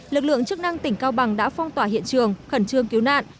lực lượng chức năng tỉnh cao bằng đã phong tỏa hiện trường khẩn trương cứu nạn